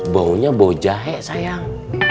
baunya bau jahe sayang